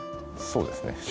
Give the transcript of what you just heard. そうですね。